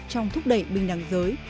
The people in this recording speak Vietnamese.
trong thúc đẩy bình đẳng giới